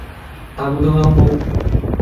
তার মতো হও?